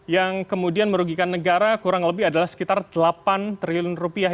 yang kemudian merugikan negara kurang lebih adalah sekitar delapan triliun rupiah